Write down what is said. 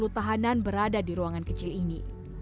sepuluh tahanan berada di ruangan kecil ini